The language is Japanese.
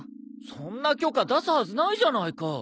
そんな許可出すはずないじゃないか。